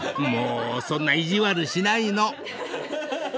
［もうそんな意地悪しないの］